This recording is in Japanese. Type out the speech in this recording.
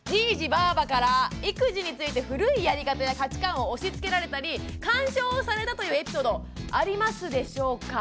ばから育児について古いやり方や価値観を押しつけられたり干渉をされたというエピソードありますでしょうか？